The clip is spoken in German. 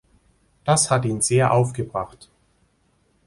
Das hat ihn sehr aufgebracht.